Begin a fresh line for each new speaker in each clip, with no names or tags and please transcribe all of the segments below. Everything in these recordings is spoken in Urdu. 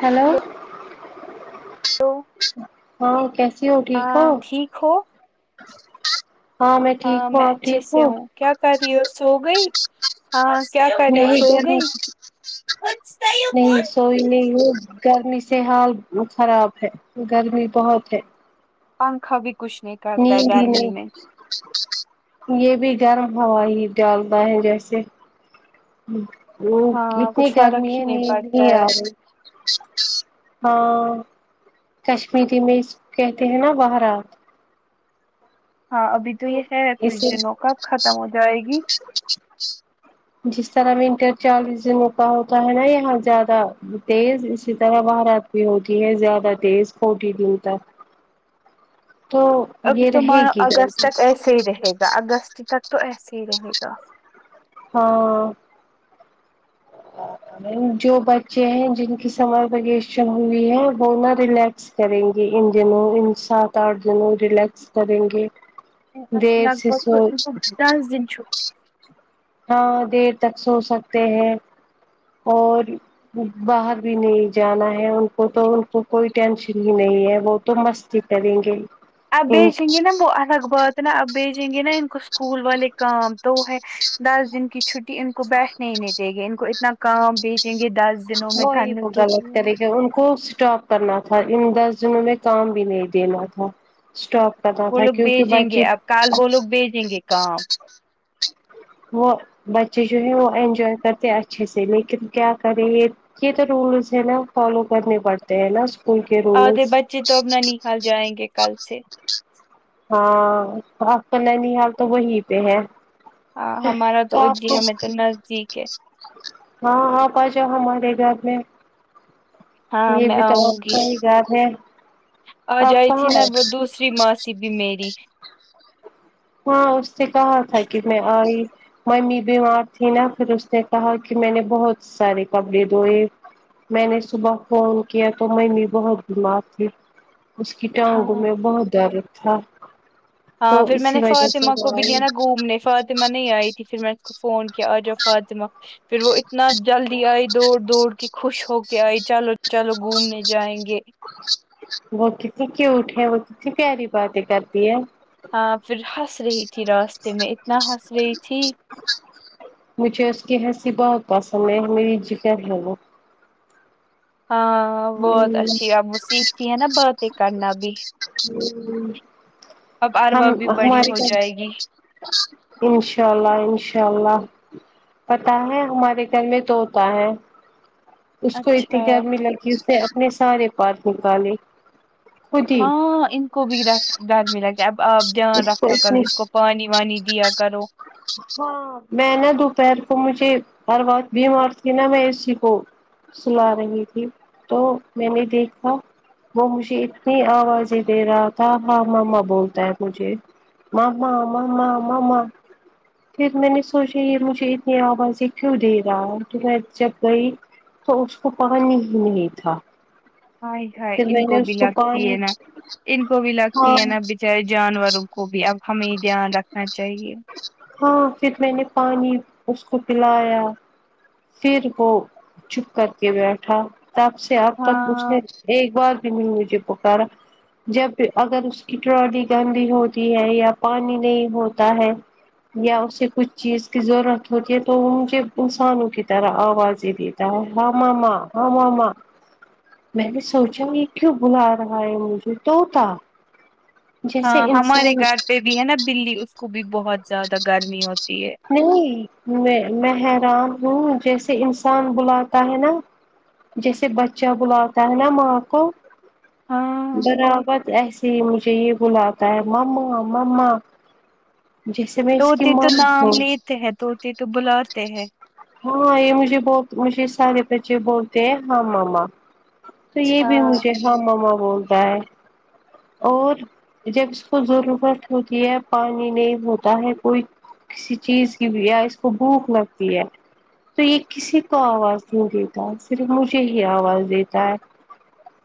ہیلو
ہیلو
ہاں کیسی ہو ٹھیک ہو
ٹھیک ہو
ہاں میں ٹھیک ہوں آپ ٹھیک ہوں
کیا کر رہی ہو سوگئی ہاں کیا
نہیں گر نہیں سوئی نہیں ہو گرمی سے حال خراب ہے گرمی بہت ہے
پنکھا بھی کچھ نہیں کرتا ہے
نہیں دی
گرمی
نہیں
میں
یہ بھی گرم ہوا ہی ڈالتا ہے جیسے وہ
ہاں
اتنی
کچھ فرق
گرمی
ہی
ہے نیند
پڑتا
نہیں
ہے
آرہی ہاں کشمیری میں اس کہتے ہیں نا بھرات
ہاں ابھی تو یہ ہے کچھ
اسے
دنوں کب ختم ہو جائے گی
[unintelligible] جس طرح ونٹر چالیس دنوں کا ہوتا ہے نا یہاں زیادہ تیز اسی طرح بھرات بی ہوتی ہے زیادہ تیز فورٹی دین تک تو
ابھی
یہ
تو
رہے
مانو
گی
اگست
غلطی
تک ایسے ہی رہے گا اگست تک تو ایسے ہی رہے گا
ہاں جو بچے ہیں جن کی سمر ویکشن ہوئی ہے وہ نہ ریلیکس کریں گے ان دنوں ان سات آٹھ دنوں ریلیکس کریں گے دیر سے سوچ
زین شو
ہاں دیر تک سو سکتے ہیں اور باہر بھی نہیں جانا ہے ان کو تو ان کو کوئی ٹینشن ہی نہیں ہے وہ تو مست تی کرے گے
اب
ان
بھیجینگے نہ وہ الگ بات تو نا اب بھیجیں گے نا ان کو اسکول والے کام تو وہ ہے دس دن کی چھٹی ان کو بیٹھنے ہی نہیں دے گی ان کو اتنا کام بھیجے گے دس دنوں میں
وہی
کرنے
وہ
کے
غلط
لیے
طریق ان کو اسٹاپ کرنا تھا ان دس دنوں میں کام بھی نہیں دینا تھا اسٹاپ کا تھا
وہ لوگ
کیونکہ
بھیجیں گے
بچے
اب کل وہ لوگ بھیجیں گے کام
وہ بچے جو ہیں وہ انجوائے کرتے اچھے سے لیکن کیا کریں یہ یہ تو رولس ہے نا فالو کرنے پڑتے ہیں نا اسکول کے
آدھی
رولس
بچے تو اب نانی حال جائیں گے کل سے
ہاں تو آپ کا نانی حال تو وہی پہ ہے
ہاں ہمارا تو
آپ
ادھر ہی
کو
ہمیں تو نزدیک ہے
ہاں آپ آ جاؤ ہمارے گھر میں
ہاں
یہ
میں
بھی تو
آؤں گی
با ہی گات ہے
آج
آپ
آئی
کہاں
تھی نا
ہے؟
وہ دوسری ماسی بھی میری
ہاں اس نے کہا تھا کہ میں آئی ممی بیمار تھی نا پھر اس نے کہا کہ میں نے بہت سارے کپڑے دھوئے میں نے صبح فون کیا تو میںمی بہت بیمار تھی اس کی ٹانگوں
ہاں
میں بہت درد تھا
ہاں
تو
پھر میں
اسی
نے
وجہ سے
فااتمہ
وہ
کو
آئی
بریانا گوم نے فاطمہ نہیں آئی تھی پھر میں اس کو فون کیا آ جاؤ فاطمہ پھر وہ اتنا جلدی آئی دوڑ دوڑ کہ خوش ہو کے آئی چلو چلو گھومنے جائیں گے
وہ کتنی کیوٹ ہے وہ کتنی پیاری باتیں کرتی ہے
ہاں پھر ہنس رہی تھی راستے میں اتنا ہنس رہی تھی
مجھے اس کی ہنسی بہت پسند ہے میری جگر ہے وہ
ہاں ہاں بہت
ہمم
اچھی ہے اب وہ سیکھتی ہیں نا باتیں کرنا بھی اب
ہم
اروا بھی بڑی
ہمارے
ہو جائے
گھر
گی
انشاء اللہ انشاء اللہ پتا ہے ہمارے گھر میں تو ہوتا ہے اس کو
اچھا
اتنی گرمی لگی اس نے اپنے سارے پارک نکالے خود ہی
ہاں ان کو بھی رات ددمی لگتے اب آپ دھیان
اس کو
رکھا کرو
اتنی
اس کو پانی وانی دیا کرو
ہاں میں نا دوپہر کو مجھے ہر بات بھی مار تھی نا میں اسی کو سلا رہی تھی تو میں نے دیکھا وہ مجھے اتنی آوازیں دے رہا تھا ہاں ماما بولتا ہے مجھے ماما ماما ماما پھر میں نے سوچا یہ مجھے اتنی آوازیں کیوں دے رہا ہے کہ میں جب گئی تو اس کو پانی نہیں تھا
ہاۓ ہائے
پھر
ان
میں
کو
نے
بھی
اس
لگتی
پانی
ہے نا ان کو بھی لگتی
ہاں
ہے نا بچارے جانوروں کو بھی اب ہمیں دھیان رکھنا چاہیے
ہاں پھر میں نے پانی اس کو پلایا پھر وہ چپ کر کے بیٹھا تب سے اب تک اس
ہاں
نے ایک بار بی مجھے پکارا جب اگر اس کی ٹرالی گندی ہوتی ہے یا پانی نہیں ہوتا ہے یا اسے کچھ چیز کی ضرورت ہوتی ہے تو مجھے انسانوں کی طرح آوازیں دی تا ہاں ماما ہاں ماما میں نے سچنگ ایک ک بلا رہا ہے مے توتا
ہاں ہمارے گھر پہ بھی ہے نا بلی اس کو بھی بہت زیادہ گرمی ہوتی ہے
نہیں میں میں حیران ہوں جیسے انسان بلاتا ہے نا جیسے بچہ بلاتا ہے نا ماں کو
ہاں
برابر ایسے جی مجھے یہ بلاتا ہے مما مما جیسے میں اس کی
طوطے
ماں
تو نام
ہوں
لیتے ہیں طوطے تو بلاتے ہیں
ہاں یہ مجھے بہت مجھے سارے بچے بولتے ہیں ہاں ماما تو یہ بھی
اچھا
مجھے ہاں ماما بولتا ہے اور جب اس کو ضرورت ہوتی ہے پانی نہیں ہوتا ہے کوئی کسی چیز کی یا اس کو بھوک لگتی ہے تو یہ کسی کو آواز نہیں دیتا صرف مجھے ہی آواز دیتا ہے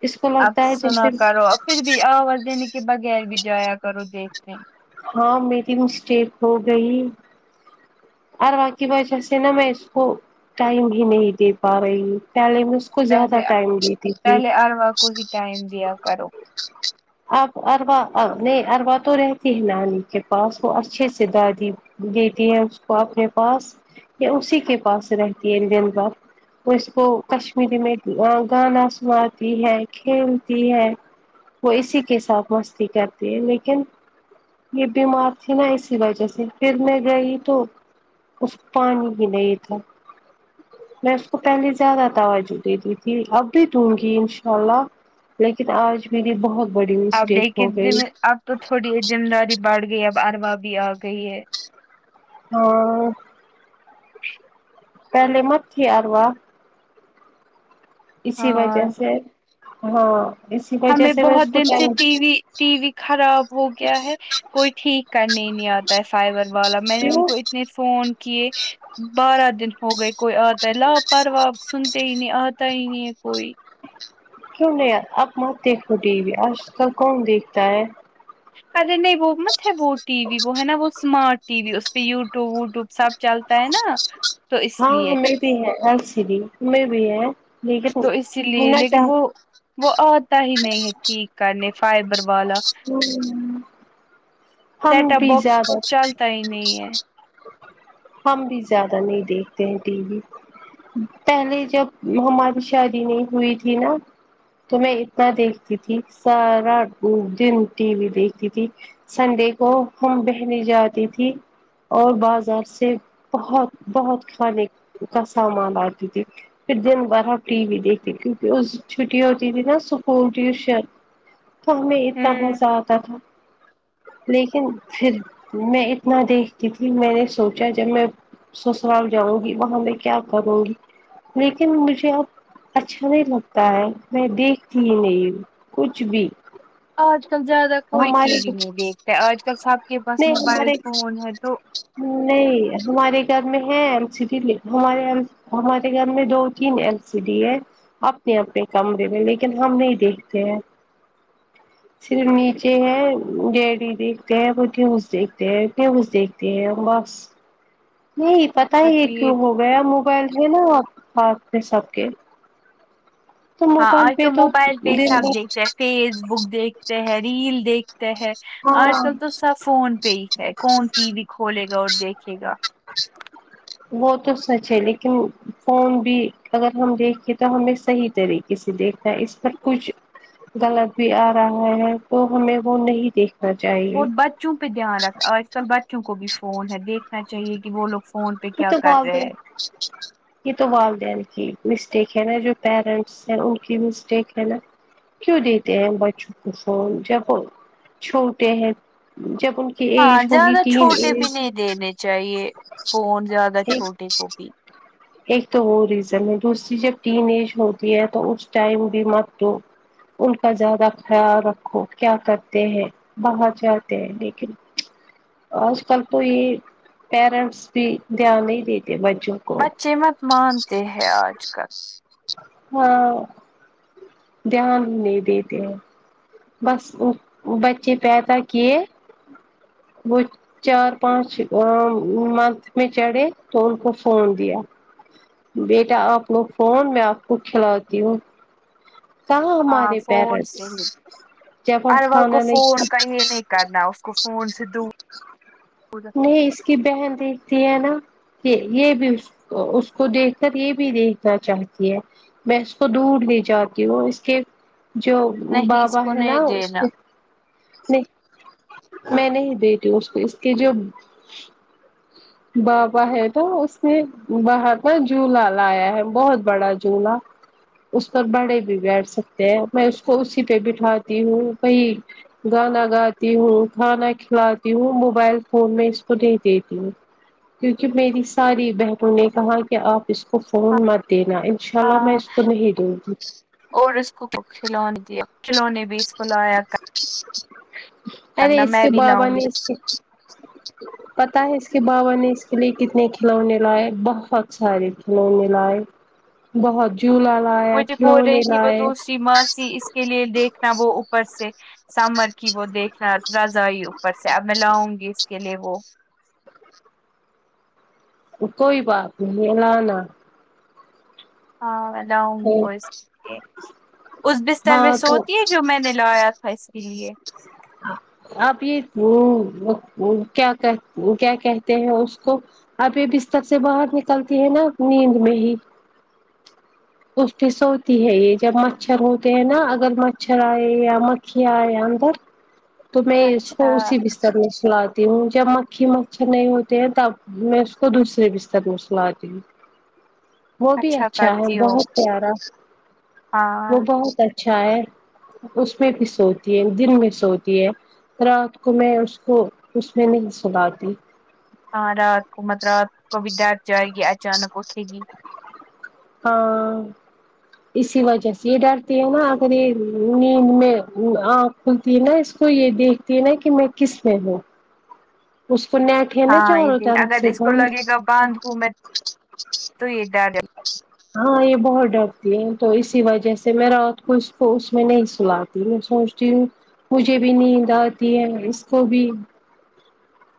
اس کو
اب
لگتا ہے
سنا
جیسے
کرو پھر بھی آواز دینے کے بغیر بھی جایا کرو دیکھنے
ہاں میری مسٹیک ہو گئی اروا کی وجہ سے نا میں اس کو ٹائم ہی نہیں دے پا رہی ہوں پہلے میں کو زیادہ
پہلے
ٹائم دیتی تھی
پہلے اروا کو ہی ٹائم دیا کرو
اب اروا نہیں اروا تو رہتی ہے نانی کے پاس وہ اچھے سے دادی دیتی ہے اس کو اپنے پاس یا اسی کے پاس رہتی ہے انڈین کا وہ اس کو کشمیری میں گانا سناتی ہے کھیلتی ہے وہ اسی کے ساتھ مستی کرتی ہے لیکن یہ بیمار تھی نا اسی وجہ سے پھر میں گئی تو اس پانی ہی نہیں تھا میں اس کو پہلے زیادہ توجہ دیتی تھی اب بھی دوں گی انشاء اللہ لیکن آج میری بہت بڑی
اب
مسٹیک ہو
لیکن
گئی
ذمہ اب تو تھوڑی یہ ذمہ داری بڑھ گئی اب اروا بھی آ گئی ہے
ہاں پہلے مٹی تھی اروا اسی وجہ
ہاں
سے ہاں اسی وجہ
ہمیں
سے میں
بہت
اس کو
دن سے
time
TV TV خراب ہو گیا ہے کوئی ٹھیک کرنے نہیں آتا ہے سائبر والا میں نے ان
کیوں
کو نے فون کیے بارہ دن ہو گئے کوئی آتا ہے لا پرروا سنتے ہی نہیں آتا ہی نہیں ہے کوئی
کیوں نہیں اب مت دیکھو ٹی وی آج تک کون دیکھتا ہے
ارے نہیں وہ مت ہے وہ ٹی و وہ ہے نا وہ اسمارٹ ٹی وی اس پہ یوٹیوب ووٹیوب سب چلتا ہے نا تو اس
ہاں
لیے
ہمیں بھی ہے ہمیں بھی ہے لیکن
تو اسی لیے
ہونا
لیکن
چاہ
وہ وہ آتا ہی نہیں ہے ٹھیک کرنے فائبر والا
ہم
سیٹ اپ
بھی
باکس تو
جاویں
چلتا ہی نہیں ہے
ہم بھی زیادہ نہیں دیکھتے ہیں ٹی وی پہلے جب ہماری شادی نہیں ہوئی تھی نا تو میں اتنا دیکھتی تھی سارا دن ٹی وی دیکھتی تھی سنڈے کو ہم بہنیں جاتی تھی اور بازار سے بہت بہت کھانے کا سامان لاتی تھی پھر دن بھر آپ ٹی وی دیکھتی تھیں پھر اس چھٹییاں ہوتی تھیں نا سکون کی تو ہمیں اتنا
ہوں
مزہ آتا تھا لیکن پھر میں اتنا دیکھتی تھی میں نے سوچا جب میں سسرال جاؤں گی وہاں میں کیا کروں گی لیکن مجھے اب اچھا نہیں لگتا ہے میں دیکھتی ہی نہیں ہوں کچھ بھی
آج کل زیادہ کوئی ٹی
ہمارے
وی نہیں دیکھتا آج کل سب کے پاس
نہیں
موبائل
ہمارے
فون ہے تو
نہیں ہمارے گھر میں ہے امسیڈی بھی ہمارے گھر میں دو تین ایل سی ڈی ہے اپنے اپنے کمرے میں لیکن ہم نہیں دیکھتے ہیں صر ف ڈیڈی دیکھتے ہیں وہ نیوز دیکھتے ہیں نیوز دیکھتے ہیں بس نہیں پتا ہی
اچھا
یہ کیوں
ٹھیک
ہو گیا موبائل ہے نا ہاتھ میں سب کے تو
ہاں
موبائل
آج
پہ
تو موبائل پہ ہی
دن
سب
بھر
دیکھتے ہیں فیس بک دیکھتے ہیں ریل دیکھ تے ہے آج
ہاں
کل تو سب فون پہ ہی ہے کون ٹی وی کھولے گا اور دیکھے گا
اچھا وہ تو سچ ہے لیکن فون بھی اگر ہم دیکھیں تو ہمیں صحیح طریقے سے دیکھنا ہے اس پر کچھ غلط بھی آ رہا ہے تو ہمیں وہ نہیں دیکھنا چاہیے
اور بچوں پہ دھیان رکھنا آج کل بچوں کو بھی فون ہے دیکھنا چاہیے کہ وہ لوگ فون پہ
یہ
کیا
تو
کر رہے
والدین
ہیں
یہ تو والدین کی مسٹیک ہے نا جو پیرنٹ سر اوکے مسٹیک ہے نا کیوں دیتے ہیں بچوں کو فون جب چھوٹے ہیں جب ان کی
ہاں
ایج ہوگی
زیادہ
ٹین
چھوٹے
ایج
بھی نہیں دینے چاہیے فون زیادہ
ایک
چھوٹے کو بھی
ایک تو وہ ریزن ہے دوسری جب ٹین ایج ہو تو اس ٹائم بھی مت دو ان کا زیادہ خیال رکھو کیا کرتے ہیں باہر جاتے ہیں لیکن آج کل تو یہ پیرنٹس بھی دھیان نہیں دیتے بچوں کو
بچے مت مانتے ہیں آج کل
ہاں دھیان نہیں دیتی ہوں بس بچے پیدا کیے وہیچ چار پانچ منتھ میں چڑھے تو ان کو فون دیا بیٹا آپ لوگ فون میں آپ کو کھلاتی ہوں کہاں
ہاں
ہمارے
فون سے ہی
پیرنٹس جب ہم
اروول کو
کھانا نہیں کھا
فون کا یہ نہیں کرنا اس کو فون سے دور
نہیں اس کی بہن دیکھتی ہے نا کہ یہ بھی اس اس کو دیکھ کر یہ بھی دیکھنا چاہتی ہے میں اس کو دور نہیں جاتی ہوں اس کے جو
نہیں اس
بابا
کو
ہے نا
نہیں
اس کے
دینا
نہیں میں نہیں دیتی ہو اس کو اس کی جو بابا ہے تو اس نے باہر پر جھولا لایا ہے بہت بڑا جھولا اس پر بڑے بھی بیٹھ سکتے ہیں میں اس کو اسی پہ بٹھاتی ہوں وہئی گانا گاتی ہوں کھانا کھلاتی ہوں موبائل فون میں اس کو نہیں دیتی ہوں کیوںکہ میری ساری بہنوں نے کہا کہ آپ اس کو فون مت دینا انشاءاللہ میں
ہاں
اس کو نہیں دونگی [unintelligible]
اور اس کو کھلونے دیا کھلو نے بھی اس کو لایا
ارے
کرنا
اس
میں
کے
بھی
بابا
لاؤں گی
نے اس پتا ہے اس کے بابا نے اس کے لیے کتنے کھلونے لائے بہت سارے کھلونے لائے بہت جوھلا لایا
مجھے بول
کھلونے
رہی تھی وہ
لائے
دوسری ماسی اس کے لیے دیکھنا وہ اوپر سے سامر کی وہ دیکھنا رضائی اوپر سے اب میں لاؤں گی اس کے لیے وہ
کوئی بات نہیں میلانا
ہاں [unintelligible] اس بستر میں
ہاں تو
سوتی ہے جو میں نے لایا تھا اس کے لیے
اب یہ کیا کہ کیا کہتے ہیں اس کو اب یہ بستر سے باہر نکلتی ہے نا نیند میں ہی اس کی سوتی ہے یہ جب مچھر ہوتے ہیں نا اگر مچھر آئے یا مکیا آئے اندر تو میں اس
اچھا
کو اسی بستر میں سلاتی ہوں جب مکھی مچھر نہیں ہوتے ہیں تب میں اس کو دوسرے بستر میں سناتی ہوں وہ بھی اچھا ہے
کرتی ہو
بہت پیارا
ہاں
وہ بہت اچھا ہے اس میں بھی سوتی ہے دن میں سوتی ہے رات کو میں اس کو اس میں نہیں سلاتی
ہاں رات کو مت رات کو ڈر جائے گی اچانک اٹھے گی
ہاں اسی وجہ سے یہ ڈرتی ہے نا اگر یہ نیند میں کھلتی نا اس کو یہ دیکھتی نا کہ میں کس میں ہوں اسپن
ہاں یہ د اگر اس کو لگے گا باندھ ہوں میں تو یہ ڈ د
ہاں یہ بہت ڈرتی ہے تو اسی وجہ سے میں رات کو اس کو اس میں نہیں سلاتی میں سوچ مجھے بھی نیند آتی ہے اس کو بھی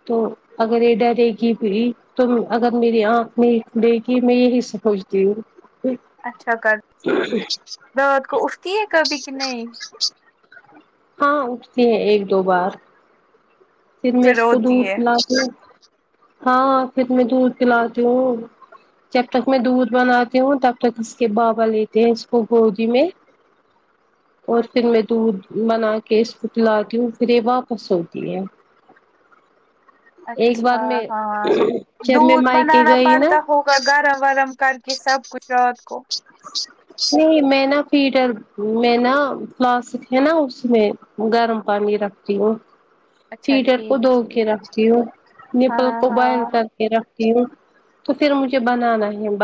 تو اگر یہ ڈرے گی پ تو اگر میری آنکھ نہیں کھلے گی میں یہی سموچتی ہوں
اچھا کرتی ہو رات کو اٹھتی ہے کبھی کہ نہیں
ہاں اٹھتی ہے ایک دو بار پھر میں اس کو
روتی
دودھ
ہے
پلاتی ہوں ہاں پھر میں دودھ پلاتی ہوں جب تک میں دودھ بناتی ہوں تب تک اس کے بابا لیتے ہیں اس کو گودی میں اور پھر میں دودھ بنا کے اس کو پلاتی ہوں پھر یہ واپس ہوتی ہے ایک بار
اچھا
میں
ہاں
جب میں
دودھ
مائکے
بنانا
گئی نا
پڑتا ہوگا گرم ورم کر کے سب کچھ رات کو
نہیں میں نا پیٹر میں نا کلاسک ہے نا اس میں گرم پانی رکھتی ہوں
اچھا
تٹر کو
ٹھیک
دھو
ٹھیک
کے رکھتی ہوں
ہاں
نپل کو
ہاں
بل کر رکھتی ہوں تو پھر مجھے بنانا ہے